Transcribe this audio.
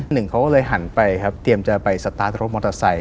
หนึ่งเขาก็เลยหันไปครับเตรียมจะไปสตาร์ทรถมอเตอร์ไซค